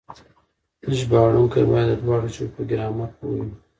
ژباړونکي بايد د دواړو ژبو په ګرامر پوه وي.